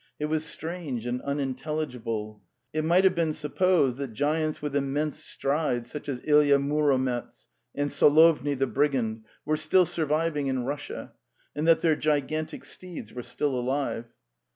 It was strange and unintelligible. It might have been sup posed that giants with immense strides, such as Ilya Muromets and Solovy the Brigand, were still sur viving in Russia, and that their gigantic steeds were still alive.